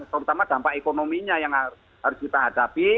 terutama dampak ekonominya yang harus kita hadapi